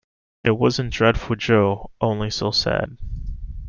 It wasn't dreadful, Jo, only so sad!